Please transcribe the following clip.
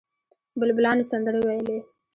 بلبلانو سندرې ویلې.